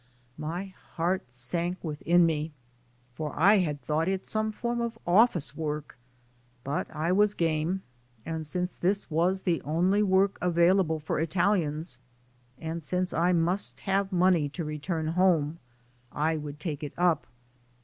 My heart sank within me, IN THE AMERICAN STORM 77 for I had thought it some form of office work; but I was game and since this was the only work avail able for Italians, and since I must have money to return home, I would take it up.